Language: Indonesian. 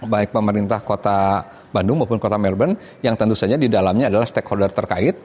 baik pemerintah kota bandung maupun kota melbourne yang tentu saja di dalamnya adalah stakeholder terkait